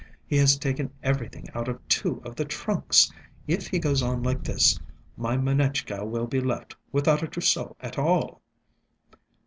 He has taken everything out of two of the trunks! If he goes on like this, my Manetchka will be left without a trousseau at all."